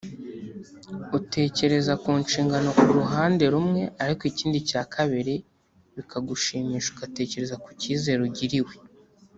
utekereza ku nshingano ku ruhande rumwe ariko ikindi cya kabiri bikagushimisha ugatekereza ku cyizere ugiriwe